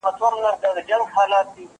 زه له سهاره د کتابتون د کار مرسته کوم!؟